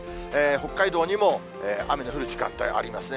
北海道にも雨の降る時間帯ありますね。